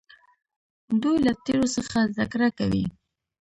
دوی له تیرو څخه زده کړه کوي.